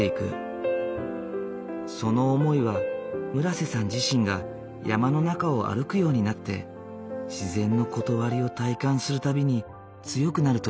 その思いは村瀬さん自身が山の中を歩くようになって自然の理を体感する度に強くなるという。